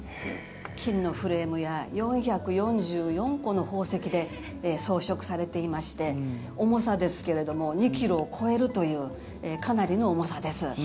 金のフレームや４４４個の宝石で装飾されていまして重さですけれども２ｋｇを超えるというかなりの重さです。